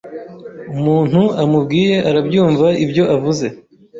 umuntu amubwiye arabyumva ibyo avuze